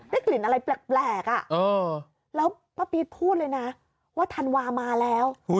กลิ่นอะไรแปลกแล้วป้าปี๊ดพูดเลยนะว่าธันวามาแล้ว